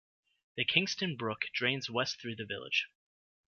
The Kingston Brook drains west through the village.